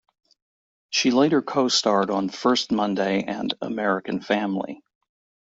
She later co-starred on "First Monday" and "American Family".